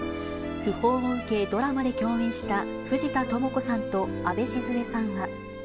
訃報を受け、ドラマで共演した藤田朋子さんとあべ静江さんは。